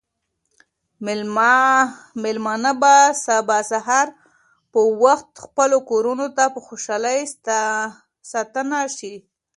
مېلمانه به سبا سهار په وخت خپلو کورونو ته په خوشحالۍ ستانه شي.